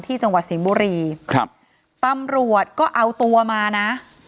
จังหวัดสิงห์บุรีครับตำรวจก็เอาตัวมานะ